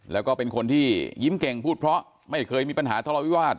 แล้วก็เป็นคนที่ยิ้มเก่งพูดเพราะไม่เคยมีปัญหาทะเลาวิวาส